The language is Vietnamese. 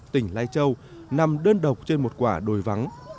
tỉnh lai châu nằm đơn độc trên một quả đồi vắng